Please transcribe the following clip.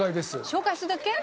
紹介するだけ？